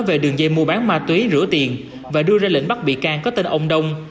về đường dây mua bán ma túy rửa tiền và đưa ra lệnh bắt bị can có tên ông đông